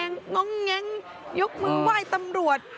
ง้องแง๊งยกมือไหว้ตำรวจ